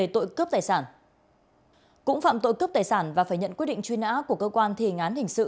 tội cướp tài sản và phải nhận quyết định truy nã của cơ quan thi hình án hình sự